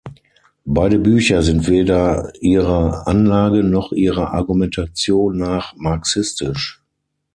Beide Bücher sind weder ihrer Anlage noch ihrer Argumentation nach marxistisch.